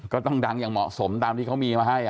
ก็ต้องดังอย่างเหมาะสมตามที่เขามีมาให้